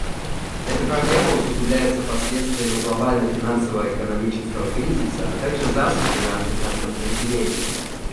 Эта проблема усугубляется последствиями глобального финансово-экономического кризиса, а также засухи на Африканском континенте.